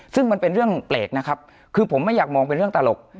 ซึ่งมันเป็นเรื่องแปลกนะครับคือผมไม่อยากมองเป็นเรื่องตลก